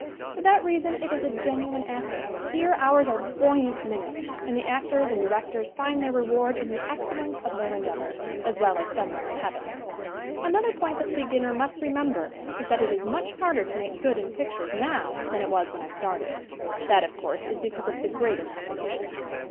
For that reason it is a genuine asset. Here hours are buoyant minutes and the actors and directors find their reward in the excel lence of their endeavor, as well as somewhere in Heaven. Another point that the beginner must re member is that it is much harder to make good in pictures now than it was when I started. That, of course, is because of the greater com petition.